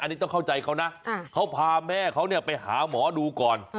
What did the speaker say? อันนี้ต้องเข้าใจเขานะเขาพาแม่เขาไปหาหมอดูก่อน